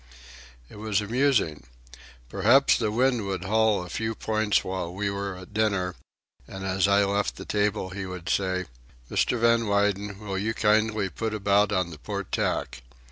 It was amusing. Perhaps the wind would haul a few points while we were at dinner, and as I left the table he would say, "Mr. Van Weyden, will you kindly put about on the port tack."